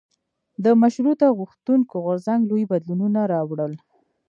د مشروطه غوښتونکو غورځنګ لوی بدلونونه راوړل.